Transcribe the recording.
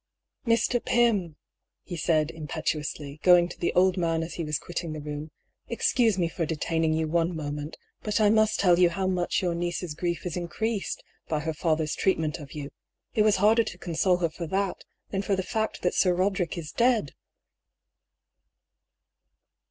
" Mr. Pym !" he said, impetuously, going to the old man as he was quitting the room, " excuse me for de taining you one moment, but I must tell you how much your niece's grief is increased by her father's treatment of you ; it was harder to console her for that than for the fact that Sir Eoderick is dead